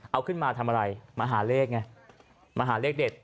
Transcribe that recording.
เอาขึ้นมาทำอะไรมาหาเลขไงมาหาเลขเด็ด